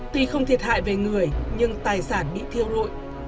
tuy không thiệt hại về người nhưng tài sản bị thiêu rụi